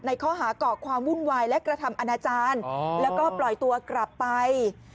ข้อหาก่อความวุ่นวายและกระทำอนาจารย์แล้วก็ปล่อยตัวกลับไป